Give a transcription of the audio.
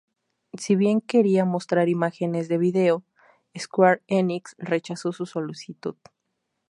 Si bien quería mostrar imágenes de video, Square Enix rechazó su solicitud.